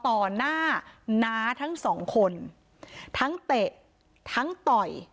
ต่อหน้าน้าทั้งสองคนทั้งเตะทั้งต่อย